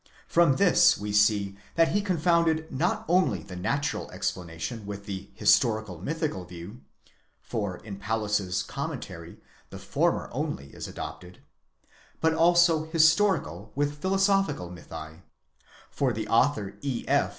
From this we see that he confounded not only the natural explana ~ tion with the historical mythical view, (for in Paulus's "'Commentar" the former only is adopted,) but also historical with philosophical mythi ; for the author E. F.